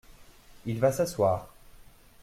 Il va s’asseoir.